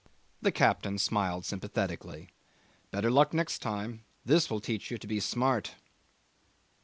The captain smiled sympathetically. 'Better luck next time. This will teach you to be smart.